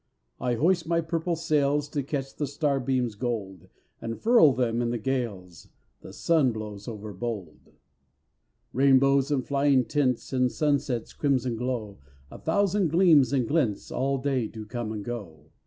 I hoist my purple sails To catch the starbeam's gold, And furl them in the gales The sun blows overbold. Rainbows and flying tints, The sunset's crimson glow, A thousand gleams and glints All day do come and go.